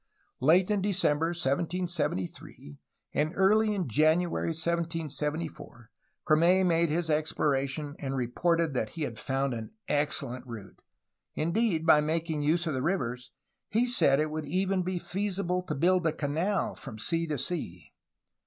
Late in Decem ber 1773 and early in January 1774 Crame made his explora tion, and reported that he had found an excellent route; indeed, by making use of the rivers, he said it would even be feasible to build a canal from sea to sea.